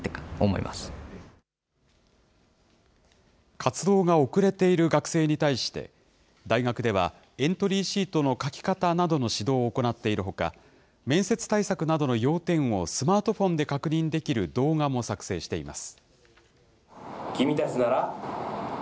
活動が遅れている学生に対して、大学では、エントリーシートの書き方などの指導を行っているほか、面接対策などの要点をスマートフォンで確認できる動画も作成しています。